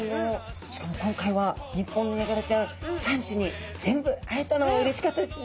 しかも今回は日本のヤガラちゃん３種に全部会えたのもうれしかったですね。